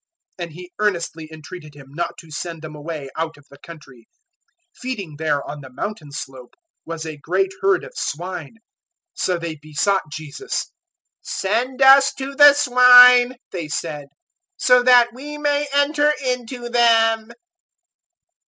005:010 And he earnestly entreated Him not to send them away out of the country. 005:011 Feeding there, on the mountain slope, was a great herd of swine. 005:012 So they besought Jesus. "Send us to the swine," they said, "so that we may enter into them."